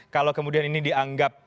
kalau kemudian ini dianggap